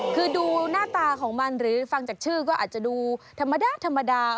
คือดูหน้าตาของมันหรือฟังจากชื่อก็อาจจะดูธรรมดาธรรมดา